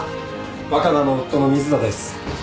若菜の夫の水田です。